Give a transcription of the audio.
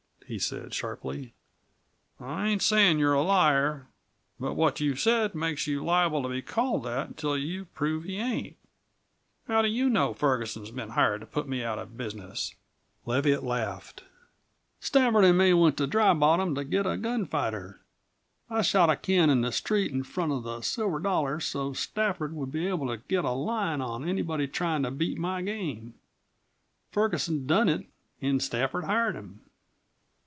he said sharply. "I ain't sayin' you're a liar, but what you've said makes you liable to be called that until you've proved you ain't. How do you know Ferguson's been hired to put me out of business?" Leviatt laughed. "Stafford an' me went to Dry Bottom to get a gunfighter. I shot a can in the street in front of the Silver Dollar so's Stafford would be able to get a line on anyone tryin' to beat my game. Ferguson done it an' Stafford hired him."